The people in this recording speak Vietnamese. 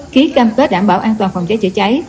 ký cam kết đảm bảo an toàn phòng cháy chữa cháy